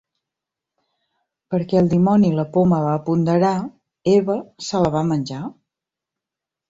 Perquè el dimoni la poma va ponderar, Eva se la va menjar.